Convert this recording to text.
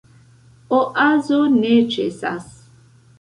Oazo ne ĉesas.